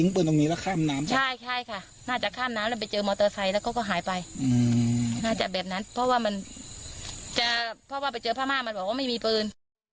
เพราะว่าไปเจอผ้ามากมันบอกว่าไม่มีปืน